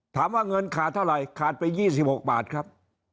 ถามว่าเงินขาดเท่าไหร่ขาดไป๒๖บาทครับ